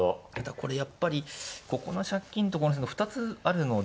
これやっぱりここの借金とここと２つあるので。